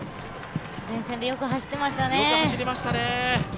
前線でよく走ってましたね。